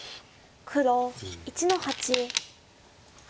黒１の八。